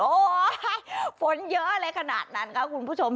โอ้โหฝนเยอะอะไรขนาดนั้นค่ะคุณผู้ชม